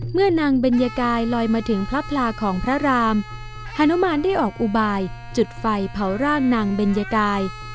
เมื่อนางเบญกายลอยมาถึงพระพลาของพระรามฮานุมานได้ออกอุบายจุดไฟเผาร่างนางเบญยกาย